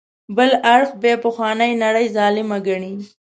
بل اړخ بیا پخوانۍ نړۍ ظالمه ګڼي.